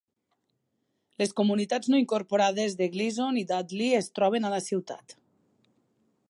Les comunitats no incorporades de Gleason i Dudley es troben a la ciutat.